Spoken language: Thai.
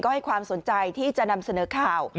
ให้ความสนใจที่จะนำเสนอข่าว